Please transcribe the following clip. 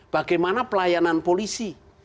bagaimana pelayanan polisi